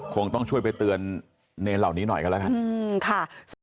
คงต้องช่วยไปเตือนเนรเหล่านี้หน่อยกันแล้วกัน